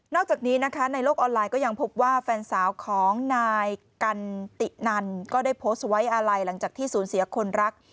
จากนี้นะคะในโลกออนไลน์ก็ยังพบว่าแฟนสาวของนายกันตินันก็ได้โพสต์ไว้อาลัยหลังจากที่สูญเสียคนรัก